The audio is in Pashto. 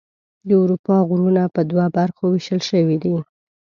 د اروپا غرونه په دوه برخو ویشل شوي دي.